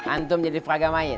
antum jadi frage mayit